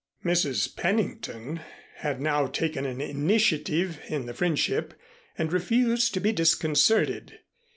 Mrs. Pennington had now taken an initiative in the friendship and refused to be disconcerted.